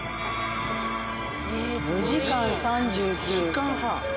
４時間３９分。